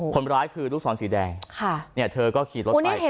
คนร้ายคือลูกศรสีแดงเธอก็ขี่รถไป